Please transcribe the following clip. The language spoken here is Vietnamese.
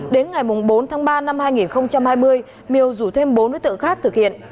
đến ngày bốn tháng ba năm hai nghìn hai mươi miều rủ thêm bốn đối tượng khác thực hiện